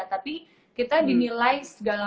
tapi kita dinilai segala